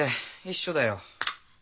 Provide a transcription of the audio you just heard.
一緒だよ。